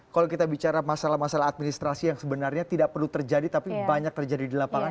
kalau kita bicara masalah masalah administrasi yang sebenarnya tidak perlu terjadi tapi banyak terjadi di lapangan